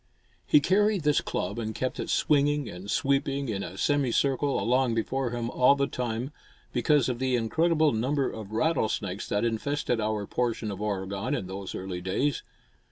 He carried this club and kept it swinging and sweeping in a semi circle along before him all the time because of the incredible number of rattlesnakes that infested our portion of Oregon in those early days.